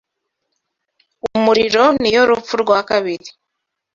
umuriro niyo rupfu rwa kabiri